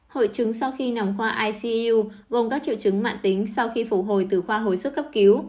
hội chứng sau khi nằm khoa icu gồm các triệu chứng mạng tính sau khi phục hồi từ khoa hồi sức cấp cứu